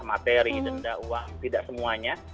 materi denda uang tidak semuanya